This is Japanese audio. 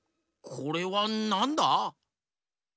これはなんだ？